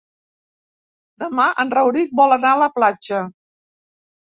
Demà en Rauric vol anar a la platja.